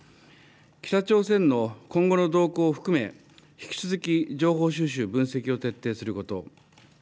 北朝鮮の今後の動向を含め、引き続き情報収集、分析を徹底すること。